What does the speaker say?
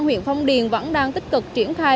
huyện phong điền vẫn đang tích cực triển khai